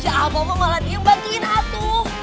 ya allah mau malah diem bantuin aku